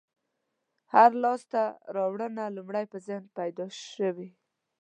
هره لاستهراوړنه لومړی په ذهن کې پیدا شوې.